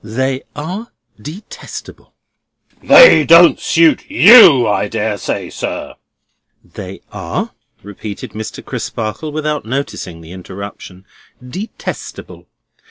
They are detestable." "They don't suit you, I dare say, sir." "They are," repeated Mr. Crisparkle, without noticing the interruption, "detestable.